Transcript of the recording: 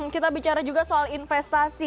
kita bicara juga soal investasi